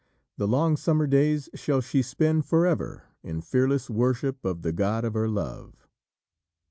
The long summer days shall she spend forever in fearless worship of the god of her love!"